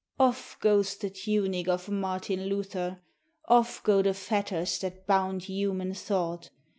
Off goes the tunic Of Martin Luther; Off go the fetters That bound human thought.